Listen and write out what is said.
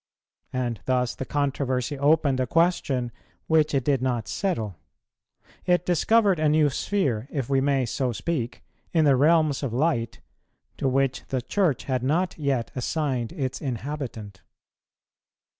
And thus the controversy opened a question which it did not settle. It discovered a new sphere, if we may so speak, in the realms of light, to which the Church had not yet assigned its inhabitant.